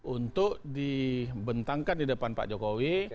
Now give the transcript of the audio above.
untuk dibentangkan di depan pak jokowi